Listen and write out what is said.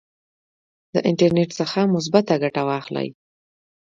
د انټرنیټ څخه مثبته ګټه واخلئ.